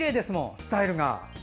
スタイルが。